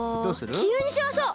きいろにしましょう！